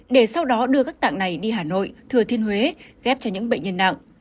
để sau đó đưa các tạng này đi hà nội thừa thiên huế ghép cho những bệnh nhân nặng